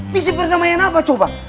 misi perdamaian apa coba